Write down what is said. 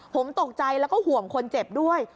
ผมตกใจแล้วก็ห่วงคนเจ็บด้วย